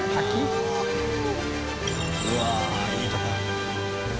うわあいいとこ。